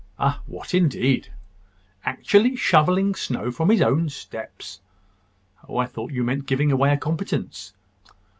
"Ah! what indeed?" "Actually shovelling snow from his own steps!" "Oh, I thought you meant giving away a competence.